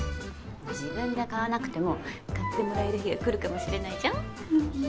自分が買わなくても買って貰える日はくるかもしれないじゃん。